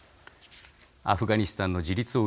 アフガニスタンの自立を促す